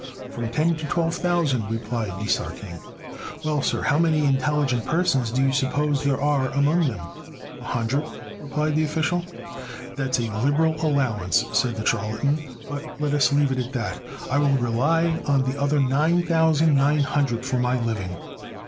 "From ten to twelve thousand," replied de Sartine. "Well, sir, how many intelligent persons do you suppose there are among them?" "A hundred," replied the official. "That's a liberal allowance," said the charlatan, "but let us leave it at that. I will rely on the other nine thousand nine hundred for my living."